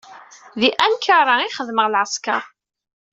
Di Ankara i d-xedmeɣ lɛesker.